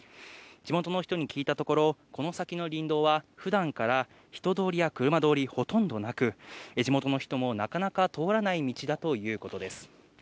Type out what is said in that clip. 地元の人に聞いたところ、この先の林道はふだんから人通りや車通り、ほとんどなく、地元の人もなかなか通らない道だということです。